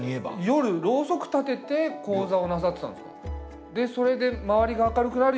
夜ロウソク立てて高座をなさってたんですか？